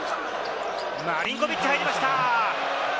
マリンコビッチ、入りました。